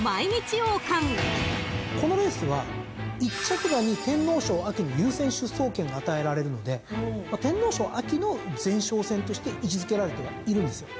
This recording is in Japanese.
このレースは１着馬に天皇賞の優先出走権が与えられるので天皇賞の前哨戦として位置づけられてはいるんですよ。